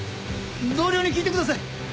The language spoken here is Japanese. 同僚に聞いてください。